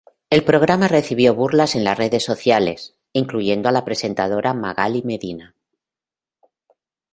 El programa recibió burlas en las redes sociales, incluyendo a la presentadora Magaly Medina.